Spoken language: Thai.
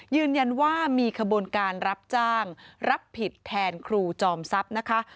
ยืนยันว่ามีขบวนการรับจ้างรับผิดแทนครูจอมทรัพย์นะคะ